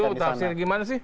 waduh itu tafsir gimana sih